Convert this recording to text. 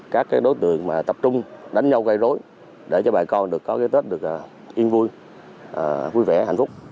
các đối tượng tập trung đánh nhau gây rối để cho bài con có cái tết được yên vui vui vẻ hạnh phúc